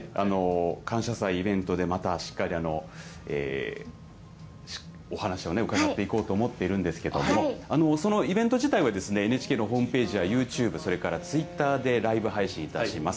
このあとね、感謝祭イベントで、しっかりお話をうかがっていこうと思っているんですけれども、そのイベント自体は、ＮＨＫのホームページやユーチューブ、それからツイッターでライブ配信いたします。